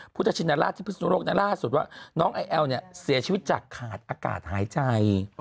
พุทธชินราชที่พิศนุโลกนั้นล่าสุดว่าน้องไอแอลเนี่ยเสียชีวิตจากขาดอากาศหายใจ